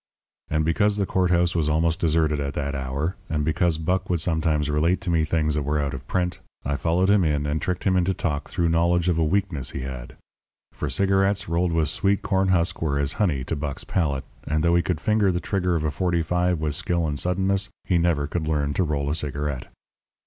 And because the court house was almost deserted at that hour, and because Buck would sometimes relate to me things that were out of print, I followed him in and tricked him into talk through knowledge of a weakness he had. For, cigarettes rolled with sweet corn husk were as honey to Buck's palate; and though he could finger the trigger of a forty five with skill and suddenness, he never could learn to roll a cigarette.